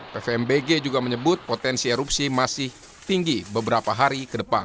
pvmbg juga menyebut potensi erupsi masih tinggi beberapa hari ke depan